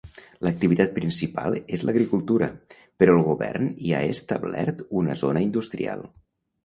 L'activitat principal és l'agricultura però el govern hi ha establert una zona industrial.